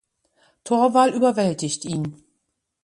Torval überwältigt ihn.